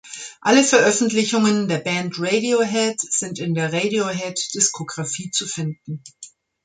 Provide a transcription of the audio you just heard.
Alle Veröffentlichungen der Band Radiohead sind in der Radiohead-Diskografie zu finden.